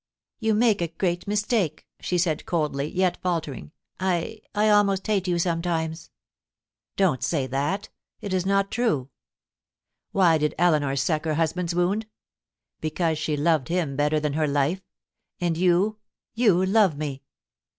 ' You make a great mistake,' she said coldly, yet faltering. * I — I almost hate you sometimes.' * Don't say that It is not true. \Vhy did Eleanor suck her husband's wound ? Because she loved him better than her life. And you — you love me.'